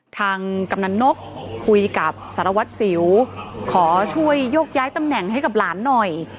กำนันนกคุยกับสารวัตรสิวขอช่วยยกย้ายตำแหน่งให้กับหลานหน่อย